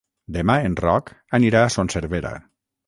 Demà en Roc anirà a Son Servera.